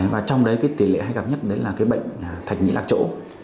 và trong đấy cái tỷ lệ hay gặp nhất đó là cái bệnh thạch nhĩ lạc chỗ